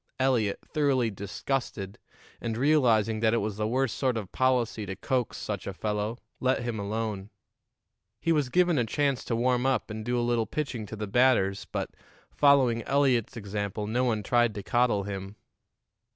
Eliot, thoroughly disgusted, and realizing that it was the worst sort of policy to coax such a fellow, let him alone. He was given a chance to warm up and do a little pitching to the batters, but, following Eliot's example, no one tried to coddle him.